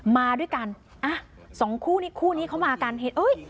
มาด้วยกันสองคู่นี้เขามากันเฮ้ย